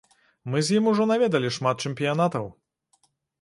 Мы з ім ужо наведалі шмат чэмпіянатаў.